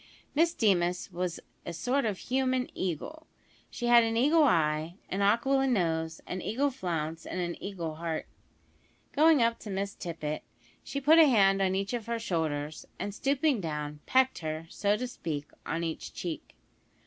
Miss Deemas was a sort of human eagle. She had an eagle eye, an aquiline nose, an eagle flounce, and an eagle heart. Going up to Miss Tippet, she put a hand on each of her shoulders, and stooping down, pecked her, so to speak, on each cheek.